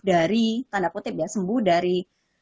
dari tanda kutip ya sembuh dari